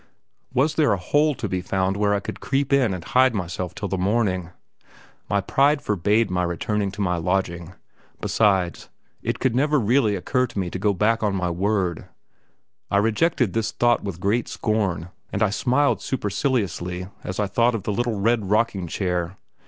Was there a hole to be found where I could creep in and hide myself till morning? My pride forbade my returning to my lodging besides, it could never really occur to me to go back on my word; I rejected this thought with great scorn, and I smiled superciliously as I thought of the little red rocking chair.